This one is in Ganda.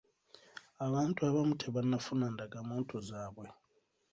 Abantu abamu tebannafuna ndagamuntu zaabwe.